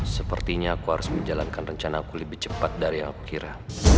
sepertinya aku harus menjalankan rencana aku lebih cepat dari yang aku kira